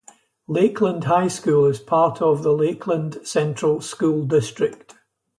Lakeland High School is part of the Lakeland Central School District.